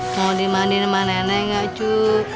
mau dimandiin sama nenek gak cu